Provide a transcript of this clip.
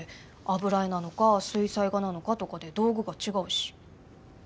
油絵なのか水彩画なのかとかで道具が違うし。